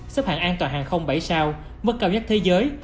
sấp hạng an toàn hàng không bảy sao